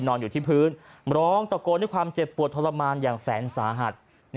นอนอยู่ที่พื้นร้องตะโกนด้วยความเจ็บปวดทรมานอย่างแสนสาหัส